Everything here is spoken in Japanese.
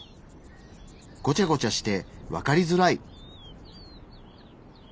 ごちゃごちゃしてわかりづらい。